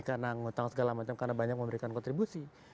karena ngutang segala macam karena banyak memberikan kontribusi